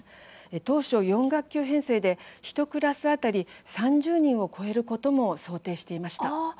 当初４学級編成で１クラス当たり３０人を超えることも想定していました。